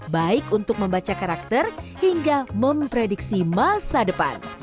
baik untuk membaca karakter hingga memprediksi masa depan